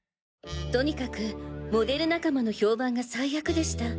とにかくモデル仲間の評判が最悪でした。